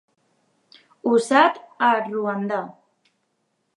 Usat a Ruanda.